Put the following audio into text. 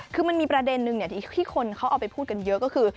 คือมันมีประเด็นนึงที่คนเขาเอาไปพูดกันเยอะก็คือ